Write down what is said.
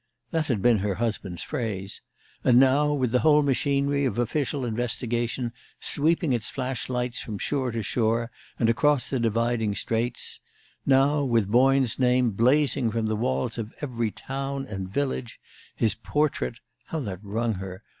_ That had been her husband's phrase. And now, with the whole machinery of official investigation sweeping its flash lights from shore to shore, and across the dividing straits; now, with Boyne's name blazing from the walls of every town and village, his portrait (how that wrung her!)